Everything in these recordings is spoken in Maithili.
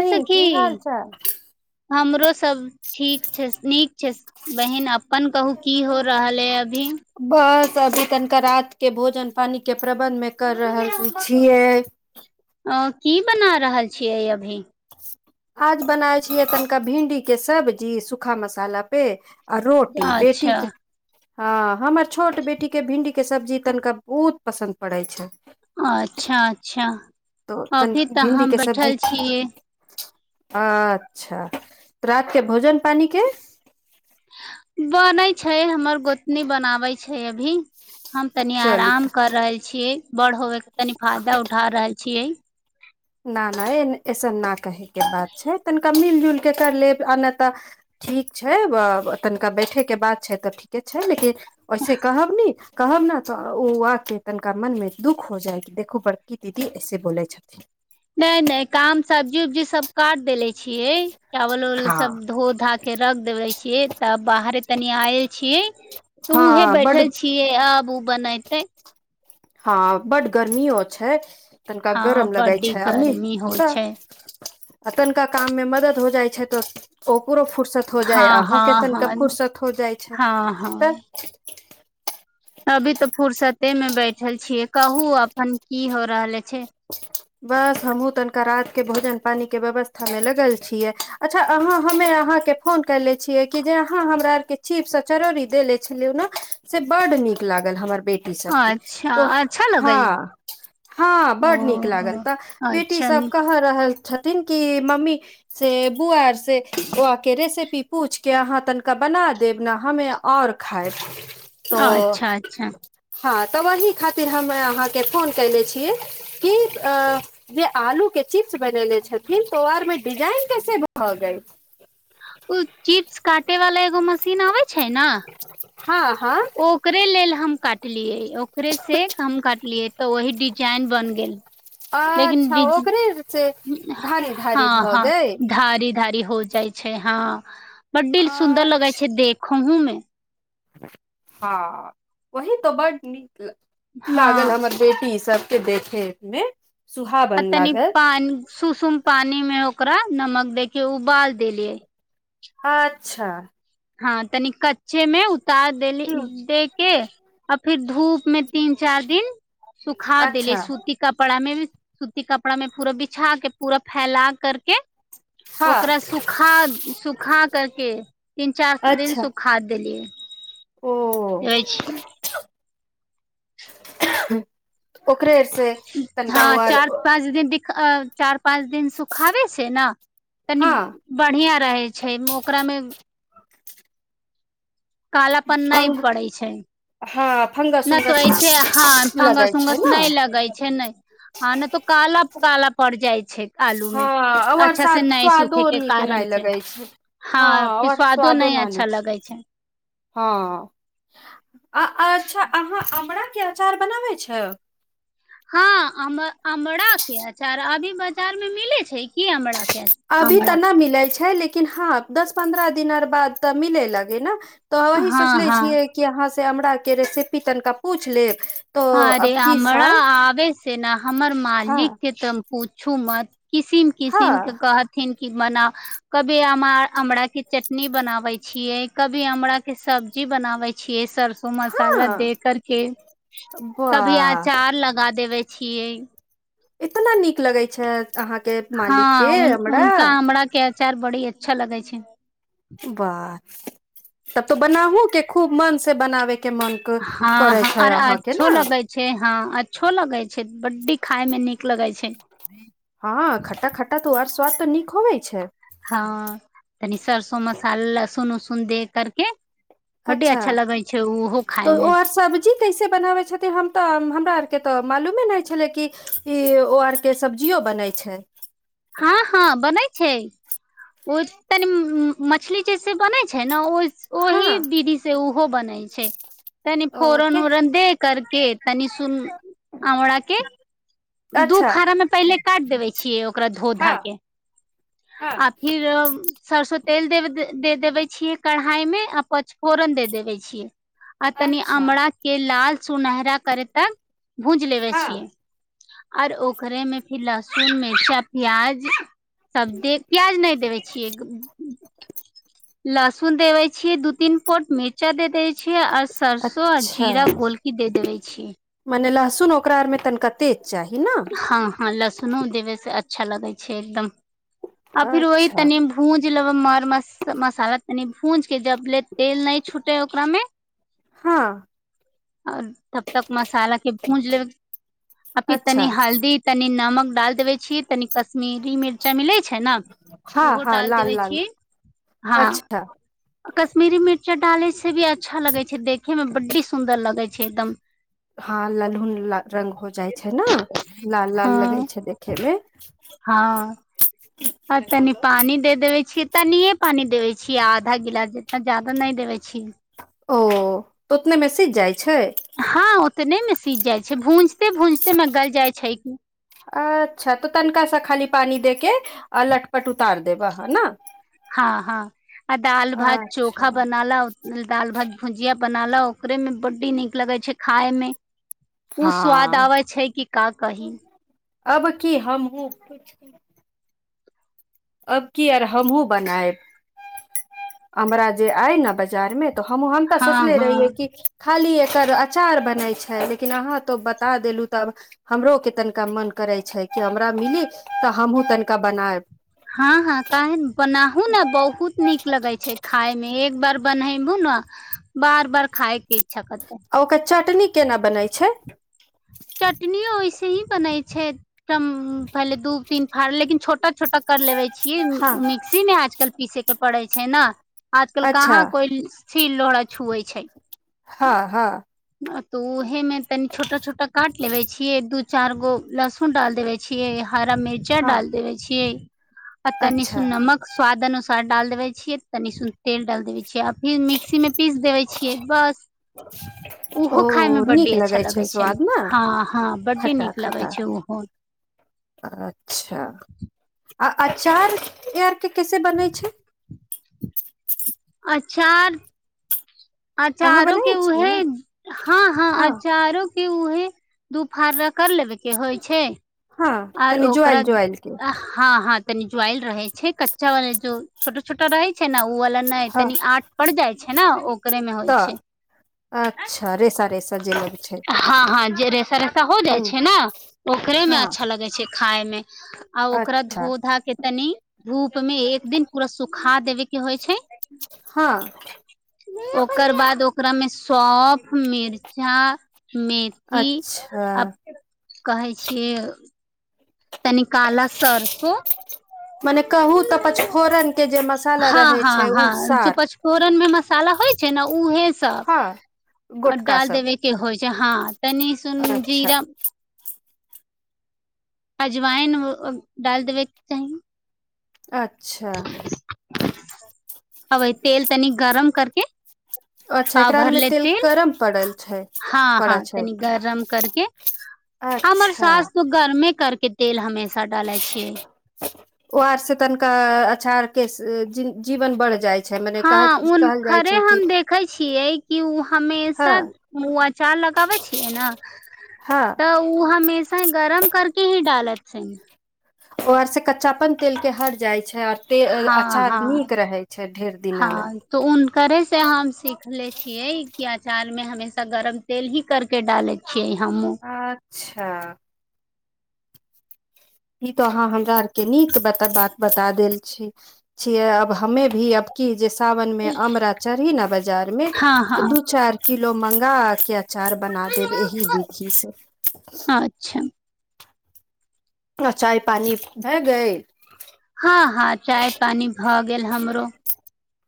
की हाल सखी चाल हमरो सब ठीक छै नीक छै। बहिन अपन कहू की हो रहल है अभी बस अभी तनिका रात के भोजन पानी के प्रबंध मे कर रहल छियै अ की बना रहल छियै अभी आज बनाय छियै तनिका भिंडी के सब्जी सूखा मसाला पे आ रोटी बेटी अच्छा के हँ हमर छोट बेटी के भिंडी। के सब्जी तनिका बहुत पसन्द पड़ै छै। अच्छा अच्छा तो अभी तनि तऽ भिंडी हम के सब्जी बैठल छीयै। अच्छा रात के भोजन पानी के। बनै छै हमर गोतनी बनाबै छै अभी। हम तनी चलू आराम कर रहल छीयै बड़ होवे के तनी फायदा उठा रहल छीयै। न न अऐसन न कहयके बात छै तनिका मिल जुलि कऽ कर लेब आ नय तऽ। ठीक छै तनिका बैठेके बात छै तऽ ठीके छै लेकिन ओैसे कहब नी। कहब ने तऽ ओ वाकके तनिका मनमे दुःख हो जाइ देखू बड़की दीदी ऐसे बोलै छथिन न न काम सब्जी उब्जी सब काट देले छियै चावल उवल हँ सब धो धा। के रख देबै छीयै त बाहरे तनी आयल छी तऽ उहे हँ बड बैठल छीय आबू बनैयतै। हँ बड गर्मीओ छै। तनिका हँ गरम लगै बड्डी छै। अमी गर्मी होइ सह छै आ तनिका काम मे मदद हो जाय छै तो ओकरो फुर्सत हो जाय हँ अहूं के हँ हँ तनका फुुरसत हो जाइ छै हँ हँ तऽ अभी तऽ फुर्सते मे बैठल छीय। कहू अपन की हो रहल छै। [inaudible] बस हमहुँ तनिका रात के भोजन पानी के व्यवस्था मे लगल छियै। अच्छा अहाँ हमे अहाँ के फोन कयले छियै। कि जे अहाँ हमरा आरके चीपसँ चरौड़री देनेे छलियै। न से बड नीक लागल हमर बेटी सबके अच्छा तो अच्छा हँ लगै हँ ओ बड्ड नीक लागल तऽ बेटी अच्छा सब कह रहल छथिन। कि मम्मी से बुआर से बुआके रेसिपी पूछि के अहाँ तनिका बना देब न हमे आओर खायब तोऽ अच्छा अच्छा हँ तऽ ओही खातिर हम अहाँके। फोन कलै छियै। कीप अ जे आलू के चिप्स बनेेले छथिन। तो आर मे डिजाइन कैसे भ गेएल। ओ चिप्स काटे वाला एगो मशीन आबे छै न। हँ हँ ओकरे लेल हम काटलियै ओकरे से हम काटलियै तऽ वही डिजाइन बन गेल। लेकिन अच्छा डिज ओकरे से धारी धारी हँ भऽ हँ गेल धारी धारी हो जाइ छै हँ बड्डिल सुन्दर लगै अच्छा छै। देखहुँ मे हँ वही त बड़ नीक हँ लागल हमर बेटी सबके देखे मे आ सुहावन तनि लागल पानी सुसुम पानी मे ओकरा नमक दे के उबाल देले अच्छा हँ तनी कच्चे मे उतार देली ह दे के आ फेर धूप मे तीन चार दिन सुखा अच्छा देले सुत सूती कपड़ा मे भी सूती कपड़ा मे पूरा बिछा के पूरा फैला करके हँ ओकरा सुखा सुखा करके तीन चार दिन अच्छा सुखा देलियै। ओ ओकरे अर से तनिका ओ आर अ चार पाँच दिन सुखावे छै। न तनी हँ बढ़िया रहै छै। ओकरामे कालपन नहि अंग पड़ै छै। हँ फंगस नहि तऽ ऐसे उंगस हँ लगै फंगस छै उंगस ने नहि लगै छै। ने हँ ने तऽ काल काला पड़ जाइ छै। आलू मे हँ और अच्छा से न स्वादो सूखे के नीक कारण नहि से लगै छै हँ फेर और स्वादो नहि न नीक अच्छा लगै छै। हँ अच्छा अहाँ आमराके छि अचार बनाबै छ। हँ आमरा के आर अभी बाजार मे मिले छै। की आमरा के अचार अभी तऽ अमरा नहि मिलै छै। लेकिन हँ दस पन्द्रह दििन बाद तऽ मिले लगे ने तऽ वही हँ सोचले हँ छियै। कि अहाँ से हमराक के रेसिपी तनिका पूछि लेब तो अरे अब की हमरा साल आबे से ने हमर हँ मालिक के तऽ पूछू मत किसिम हँ किसिम के कहथिन कि मना कभी अमराक के चटनी बनाबे छियै। कभी अमराक के सब्जी बनाबे छियै। सब मसाला हँ दे कर के कभी वाह अचार लगा देबे छियै। इतना नीक लगैत छै। अहाँके मालिकके अमरा चार बड़ी अच्छा लगै छै। बाह तब तो बनाहुू के खूब मन से बनाबे के मन हँ करे हँ छै अर आऔर अहाँके अचछो छो ने लगै छै। छे हा अच्छो लगे छे बड्डी खााय में नीक लगे छे हा खट्टा खट्टा त आर स्वाद त नीको होवे छे हँ तनी सरसो मसाला लहसुन उसुन दे कर के बडी अच्छा लगै छै। ओहो खाायमे कैस बना हमरा आर त मालू नहि छलर के सब्जियो बनै छै। हँ हँ बनै छै। ओ तनी मछली जेस बनै छै। ने ओ ओही हँ चिज से ओहो बने छे तनी फोरन ओके उरन दे कर के तनी सुन आमराा के दु अच्छा खारामें पहिले काट देबे छिये ओकरा धो धा हँ के आ हँ खिर सरस्वती तेल दे दे देबे छिये कढ़ाइ मे आ पचफोरन दे देबे छिये आ तनि अच्छा आमरा के लाल सुनहरा करे तक भूज लेबे हँ छिये और ओकरे में फिर लहसुन मिर्चा प्याज सब दे प्याज ने देबे छिये लसुन देवइ छीये दूध तीन पोट मिर्चा दे देय छिये आ सरसो आ‌ अच्छा जीरा पोलकी दे देवे छीै मने लहसुन ओकरा आर मे तनिकते तेजचाही ने हा हा लहसुनो देबे से अच्छा लगे छे एकदम आ फिर वही अच्छा तनी भूज लेब मर मसाला तनी भूज के जबले तेल न छूटे ओकरा में हा आ तब तक मसाला के भूज लेब तनी अच्छा हल्दी तनि नमक डाल देबे छिये तनि कश्मिरी मिरचाइ मिले छे ने हँ ओहो हँ डाल लाल देबे लाल छिये हा अच्छा कश्मिरी मिर्चा डाले से भी अच्छा लगे छे देखे मे बड्डी सुन्दर लगे छे एकदम हा ललहुन रंग हो जाइ छे ने लाल लाल लगे छे देखे मे हा आब तनि पानी दे देवे छिये तनिऐ पानी देवे छिये आधा गिलास जितना जादा ने देबे छि ओ त उतने मे सिझ जाइ छे हा उतने मे सिझ जाइ छे भूजते भूजते मे गल जाइ छे की अच्छा त तनिकाँ स खाली पानी दे के आ लटपट उतार देबह ह ने हा हा आ दाल भात चोखा अच्छा बनाला दाल भात भुजिया बनालो ओकरे में बड्डी नीक लगे छे खाय मे उ स्वाद हँ आबे छे कि का कही अब की हमहू पूछ अब की आर हमहुँ बनायब हमरा जे आय ने बाजार मे त हम हम त हँ सोचले रहि है हँ कि खाली एकर अचार बने छे लेकिन अहाँ त बता देल हुँ त हमरो के तनिका मन करे छे कि हमरा मिली त हम हुँ तनिका बनायब हा हा कहे बनाहु ने बहुत नीक लगे छे खाय में एक बार बने बू ने बार बार खाय के इच्छा करते आ ओकर चटनी केना बने छे चटनी ओऐ से ही बने छे पहले दू तीन फार लेकिन छोटा छोटा कर लेबे ई हँ मिक्सी मे आजकल पीसे के पड़े छे ने आजकल अच्छा कहाँ कोई सिला‌लोडी छुये छ हा हा त उ ऊहे में तनी छोटा छोटा काट लेबे छिये दू चार गो लहसुन डाल देबे छयै हरा मिर्चा हँ रडाल देबे छिये आ तनि अच्छा सुन नमक स्वाद अुसार डाल देवे छिये तनि सुन तेल डाल देेबे छी आब ई मिक्सी मे पीस देबय छियै बस [unintelligible] ओहो खाय मे ओऽ नीक बड्डी अच्छा लगै छैय लगे छै स्वादमे न हँ हँ बड्डी खट्टा नीक लगे खट्टा छै ओहो अच्छा आ अचार आर के कैसे बने छे अचार अहाँ अचारो के बनाबै छियै उहे ने हा हा हँ अचारो उहे दुफारा रगर लेबे के होइ छे हँ आर तनी ओकरा ज्वाइल ज्वाइल के हँ हँ तनी जुआइल रहय छैय कच्चावाला जो छोटा छोटा रहै छैय ने ओ वाला नहि हँ तनि आंट पड़ जाय छैय ने ओकरे मे होय तऽ छैय अच्छा रेसा रेसा जे लग छै हँ हँ जे रेसा रेसा हो जाय हूँ छैय ने ओकरे मे हँ अच्छा लगे छैय खाय मे आ ओकरा अच्छा धो धा के तनि धूप में एक दिन पूरा सुूखा देबे के होय छैय हँ ओकर बाद ओकरा मे सोंफ मिर्चा मैथि ती अच्छा आब कहै छियै तनी काला सरसो तने कहू तऽ पचफोरन के जे मसाला रहय छैय ओ सार फोरन मे मसाला होय छैय ने उहे सब हँ आ गोटका डाल सब देबय के होय छैय हँ तनी सन अच्छा जीरा अजवायन अ डाल देबैक चाही अच्छऽ अबै तेल तनी गरम करके [unintelligible] अच्छऽ पाव एकरा आर मे भरले तेल गरम पड़ल छैय हँ पड़ हँ तनी छैय गरम अच्छ त गर्मे करके तेल हमेशा डालय छियै ओ आर से तनिका अछार के जीवन बढ़ जाय छैय हँ उनकरे हम देखय छियै कि ओ हँ हमेशा हमुँ अचार लऽ के आबै छियै ने हँ तऽ उ हमेशा गरम करके ही डालय छैय ओ आर सँ कच्चापन तेल के हट जाय छय ते हँ अचार नीक रहे छैय ढेर दिना ला तो उनकरे से हम सीखले छियै की अचार मे हमेशा गरम तेल ही कर के डालय [unintelligible] अच्छ ई तो अहाँ हमरा आर के नीक बता बात बता देल छी छियै अब हमे भी अब की जे सावन मे अमरा चढ़ी न बाजार मे हँ तऽ हँ दू चार किलो मंगा के अचार बना देब एहि विधि से अच्छा न चााय पानि भय गैल हँ हँ चाय पानी भऽ गेल हमरो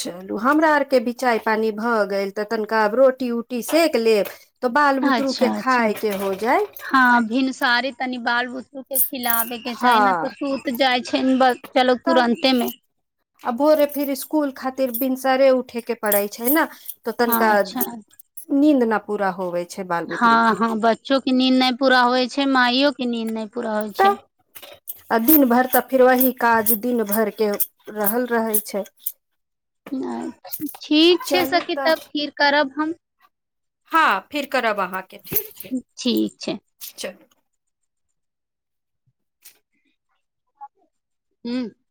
चलू हमरा आरके बी चााय पानि भऽ गेल तऽ तनिका आब रोटी उटी सेक लेब तऽ बाल बुतरू के खााय के हो जाय आ भिन तारिफ तनि बाल बुसरू के खिलाबे के चाही ने हँ तऽ सुत जाय छैय बच्चा लोग तऽ तुरन्ते मे आ भोरे फिर इसकुल खातिर भिनसरे उठे के पड़ै छैय न तऽ तनिका अच्छा नींद न पूरा होवे छैय ब हँ हँ बच्चो के नींद नय पूरा होइ छै माइयो के नीद नहि पूरा होइ छै [unintelligible] आ दिन भर तऽ फेर वही काज दिन भर के रहल रहै छै नहि ठीक छैय चलू सखी तऽ तब फिर करब हम हँ फिर करब अहाँके ठीक छैय ठीक छै चलू [unintelligible]